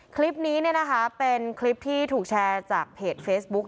คลิปนี้เนี่ยนะคะเป็นคลิปที่ถูกแชร์จากเพจเฟซบุก